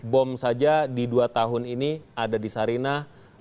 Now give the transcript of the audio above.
bom saja di dua tahun ini ada di sarinah